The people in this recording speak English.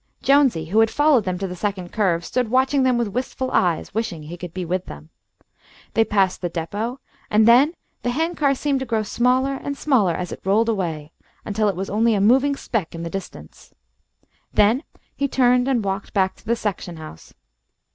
Jonesy, who had followed them to the second curve, stood watching them with wistful eyes, wishing he could be with them. They passed the depot, and then the hand car seemed to grow smaller and smaller as it rolled away, until it was only a moving speck in the distance. Then he turned and walked back to the section house.